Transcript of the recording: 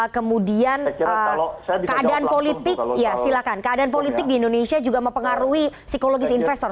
kemudian keadaan politik di indonesia juga mempengaruhi psikologis investor